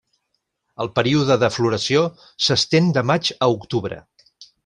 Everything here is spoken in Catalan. El període de floració s'estén de maig a octubre.